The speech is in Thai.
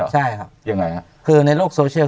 ใช่ครับคือในโลกโซเชียล